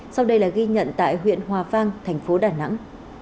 sau đây là ghi nhận tại huyện hòa vang thành phố đà nẵng